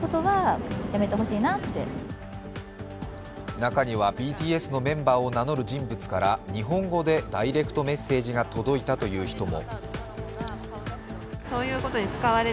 中にはＢＴＳのメンバーを名乗る人物から日本語でダイレクトメッセージが届いたという人も。